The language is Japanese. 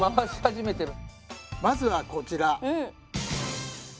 まずはこちら。